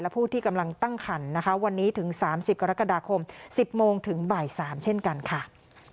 ผู้ที่กำลังตั้งขันนะคะวันนี้ถึง๓๐กรกฎาคม๑๐โมงถึงบ่าย๓เช่นกันค่ะ